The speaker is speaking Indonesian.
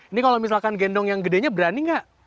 ini kalau misalkan gendong yang gedenya berani nggak